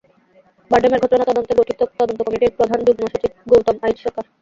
বারডেমের ঘটনা তদন্তে গঠিত তদন্ত কমিটির প্রধান যুগ্ম সচিব গৌতম আইচ সরকার।